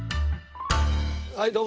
はいどうも。